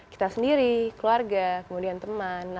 kita sendiri keluarga kemudian teman